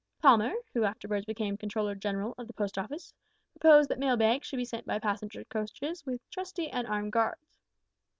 Palmer, who afterwards became Controller General of the Post Office, proposed that mail bags should be sent by passenger coaches with trusty and armed guards.